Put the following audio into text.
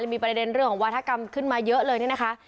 มีประเด็นเรื่องของวาธกรรมขึ้นมาเยอะเลยนี่นะคะ